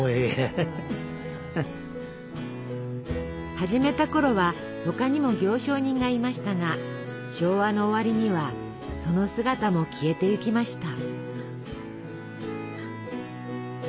始めたころは他にも行商人がいましたが昭和の終わりにはその姿も消えていきました。